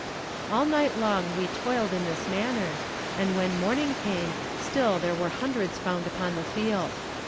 All night long we toiled in this manner, and when morning came still there were hundreds found upon the field.